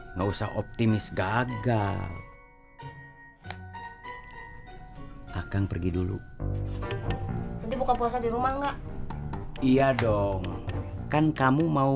enggak usah optimis gagal akan pergi dulu nanti buka puasa di rumah enggak iya dong kan kamu mau